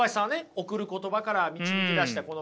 「贈る言葉」から導き出したこの考えね。